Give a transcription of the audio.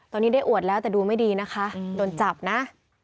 ตอนนี้ได้อวดแล้วแต่ดูไม่ดีนะคะโดนจับนะ